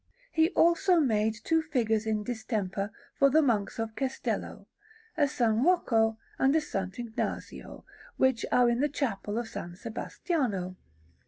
He also made two figures in distemper for the Monks of Cestello, a S. Rocco and a S. Ignazio, which are in the Chapel of S. Sebastiano.